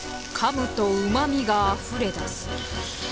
噛むとうまみがあふれ出す。